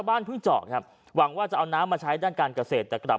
บ้านเพิ่งเจาะครับหวังว่าจะเอาน้ำมาใช้ด้านการเกษตรแต่กลับ